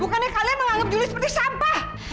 bukannya kalian menganggap juli seperti sampah